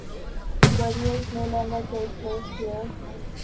Burials no longer take place here.